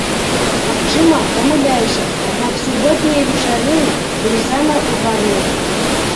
Магчыма, памыляюся, аднак суботнія вечарыны былі самыя ўгарныя.